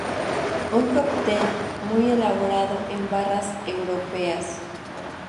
Un cóctel muy elaborado en barras europeas.